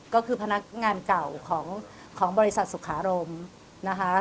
ก็คือพนักงานเก่าของบริษัทสุขารมนะคะ